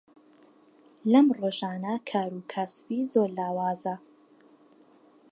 لەم ڕۆژانە کاروکاسبی زۆر لاوازە.